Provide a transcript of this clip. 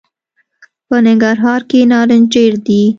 په ننګرهار کي نارنج ډېر دي .